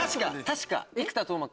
確か！